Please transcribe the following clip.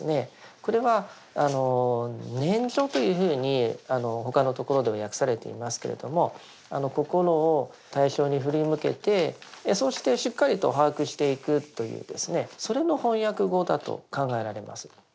これは念処というふうに他のところでは訳されていますけれども心を対象に振り向けてそしてしっかりと把握していくというですねそれの翻訳語だと考えられます。